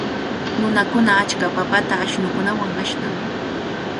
Nunakuna achka papata ashnukunawan ashtan.